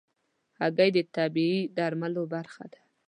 هګۍ د طبيعي درملو برخه ده.